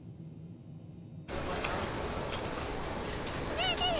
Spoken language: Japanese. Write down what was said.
ねえねえ！